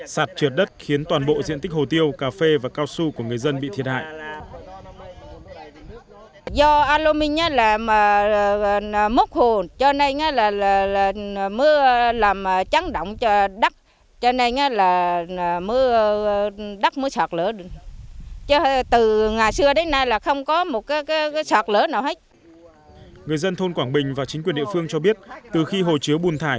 sạt trượt đất khiến toàn bộ diện tích hồ tiêu cà phê và cao su của người dân bị thiệt hại